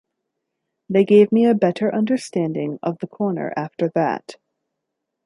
They gave me a better understanding of the corner after that.